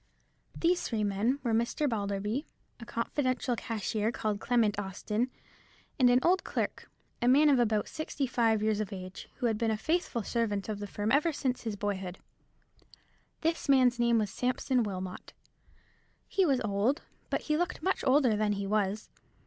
These three men were Mr. Balderby, a confidential cashier called Clement Austin, and an old clerk, a man of about sixty five years of age, who had been a faithful servant of the firm ever since his boyhood. This man's name was Sampson Wilmot. He was old, but he looked much older than he was.